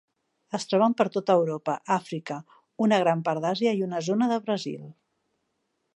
Es troben per tot Europa, Àfrica, una gran part d'Àsia i una zona del Brasil.